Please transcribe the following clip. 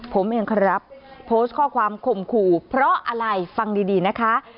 ผมเองครับโพสต์ข้อความข่มขู่เพราะอะไรฟังดีนะคะ